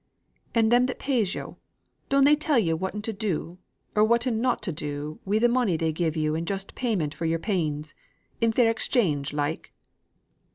"And them that pays yo', dun they tell yo' whatten to do, or whatten not to do wi' the money they gives you in just payment for your pains in fair exchange like?"